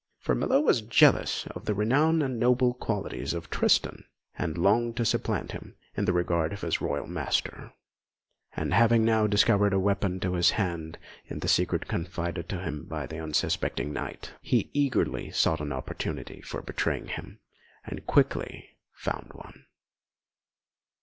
For Melot was jealous of the renown and noble qualities of Tristan, and longed to supplant him in the regard of his royal master; and having now discovered a weapon to his hand in the secret confided to him by the unsuspecting knight, he eagerly sought an opportunity for betraying him, and quickly found one.